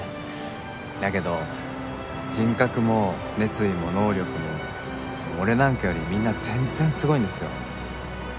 だけど人格も熱意も能力も俺なんかよりみんな全然すごいんですよ。